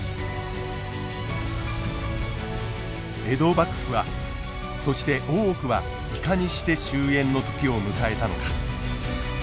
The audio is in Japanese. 江戸幕府はそして大奥はいかにして終えんの時を迎えたのか。